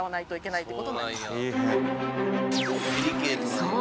そう！